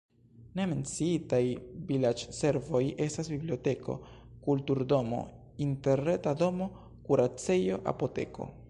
Ne menciitaj vilaĝservoj estas biblioteko, kulturdomo, interreta domo, kuracejo, apoteko.